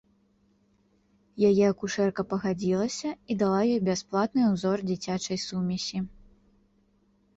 Яе акушэрка пагадзілася і дала ёй бясплатны ўзор дзіцячай сумесі.